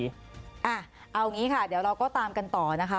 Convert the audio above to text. อ่ะเอาอย่างงี้อ่ะเราก็ตามกันต้อง